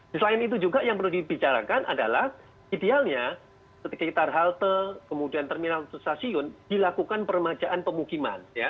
selain itu juga yang perlu dibicarakan adalah idealnya ketika kita halte kemudian terminal atau stasiun dilakukan permajaan pemukiman ya